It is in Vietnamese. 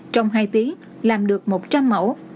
trong hai tiếng làm được một trăm linh mẫu